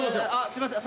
すいません